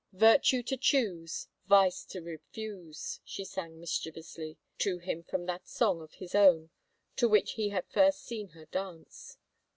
Virtue to choose, Vice to refuse, 163 THE FAVOR OF KINGS she sang mischievously to him from that song of his own to which he had first seen her dance.